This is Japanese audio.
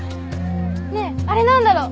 ねえあれなんだろう？